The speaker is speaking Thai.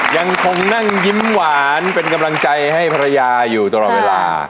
ยังคงนั่งยิ้มหวานเป็นกำลังใจให้ภรรยาอยู่ตลอดเวลา